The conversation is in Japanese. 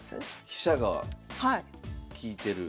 飛車が利いてる。